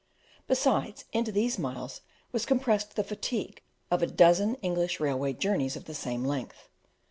besides, into these miles was compressed the fatigue of a dozen English railway journeys of the same length.